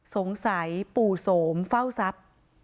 สงสัยปู่โสมเฝ้าทรัพย์